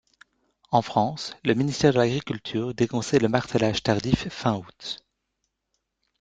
En France, le ministère de l'Agriculture déconseille le martelage tardif fin août.